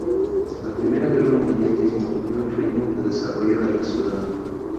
La Primera Guerra Mundial disminuyó el ritmo de desarrollo de la ciudad.